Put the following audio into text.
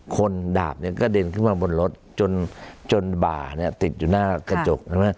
คนดาบเนี่ยก็เด่นขึ้นมาบนรถจนบ่าเนี่ยติดอยู่หน้ากระจก